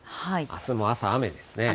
あすも朝、雨ですね。